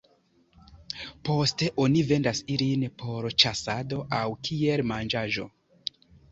Poste oni vendas ilin por ĉasado aŭ kiel manĝaĵon.